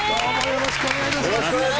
よろしくお願いします。